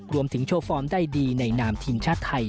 โชว์ฟอร์มได้ดีในนามทีมชาติไทย